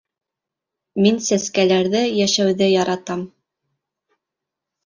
Мин сәскәләрҙе, йәшәүҙе яратам.